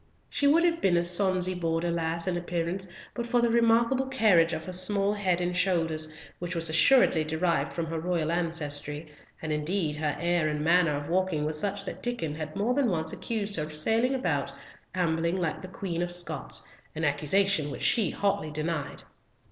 She would have been a sonsie Border lass in appearance but for the remarkable carriage of her small head and shoulders, which was assuredly derived from her royal ancestry, and indeed her air and manner of walking were such that Diccon had more than once accused her of sailing about ambling like the Queen of Scots, an accusation which she hotly denied.